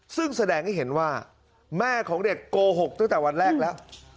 ซึ่งแสดงให้เห็นว่าแม่ของเด็กโกหกตั้งแต่วันแรกแล้ว